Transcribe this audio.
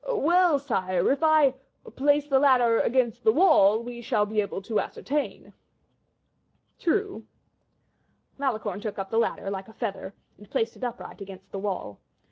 "Well, sire, if I place the ladder against the wall, we shall be able to ascertain." "True." Malicorne took up the ladder, like a feather, and placed it upright against the wall.